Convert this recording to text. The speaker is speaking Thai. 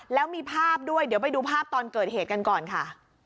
แล้วมีภาพด้วยเดี๋ยวไปดูภาพตอนเกิดเหตุกันก่อนค่ะ